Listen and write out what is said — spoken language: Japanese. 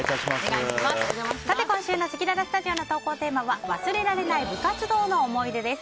今週のせきららスタジオの投稿テーマは忘れられない部活動の思い出です。